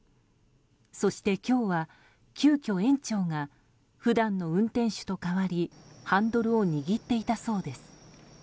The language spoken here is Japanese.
そして、今日は急きょ、園長が普段の運転手と代わりハンドルを握っていたそうです。